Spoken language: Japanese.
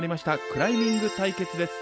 クライミング対決です。